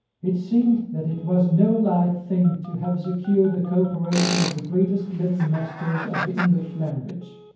It seemed that it was no light thing to have secured the cooperation of the greatest living master of the English language.